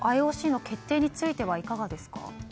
ＩＯＣの決定についていかがですか？